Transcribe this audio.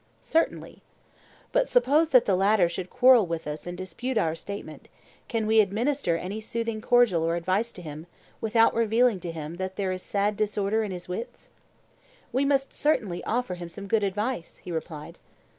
Certainly. But suppose that the latter should quarrel with us and dispute our statement, can we administer any soothing cordial or advice to him, without revealing to him that there is sad disorder in his wits? We must certainly offer him some good advice, he replied.